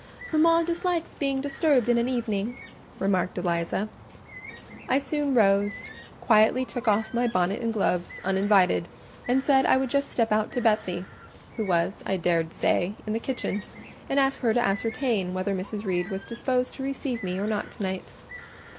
"Mama dislikes being disturbed in an evening," remarked Eliza. I soon rose, quietly took off my bonnet and gloves, uninvited, and said I would just step out to Bessie—who was, I dared say, in the kitchen—and ask her to ascertain whether Mrs. Reed was disposed to receive me or not to night.